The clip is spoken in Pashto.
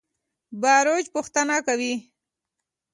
باروچ پوښتنه کوي.